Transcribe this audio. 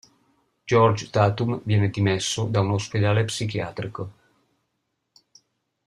George Tatum viene dimesso da un ospedale psichiatrico.